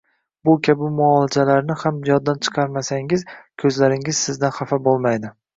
Bu kabi muolajalarni ham yoddan chiqarmasangiz, ko`zlaringiz sizdan xafa bo`lmaydi